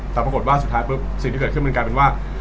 แต่ปรากฏว่าสุดท้ายปุ๊บสิ่งที่เกิดขึ้นมันกลายเป็นว่า